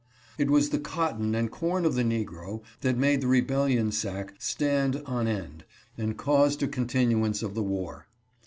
It was the cotton and corn of the negro that made the rebellion sack stand on end and caused a continuance of the war.